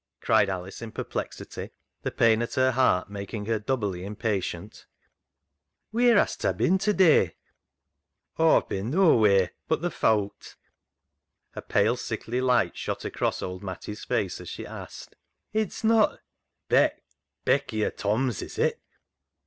" cried Alice, in per plexity, the pain at her heart making her doubly impatient ;" Wheer has ta bin to day? "" Aw've bin noawheer but th' Fowt." A pale, sickly light shot across old Matty's face as she asked —" It's not Beck — Becky o' Tom's, is it